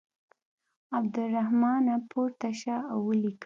عبدالرحمانه پورته شه او ولیکه.